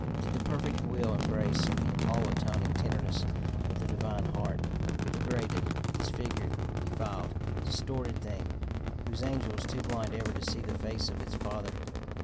Did the perfect will embrace in the all atoning tenderness of the divine heart, the degraded, disfigured, defiled, distorted thing, whose angel is too blind ever to see the face of its Father?